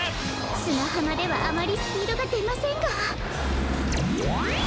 すなはまではあまりスピードがでませんが。